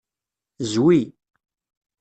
Zwi.